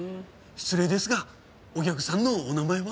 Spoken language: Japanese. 失礼ですがお客さんのお名前は？